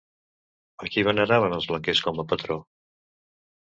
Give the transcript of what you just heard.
A qui veneraven els blanquers com a patró?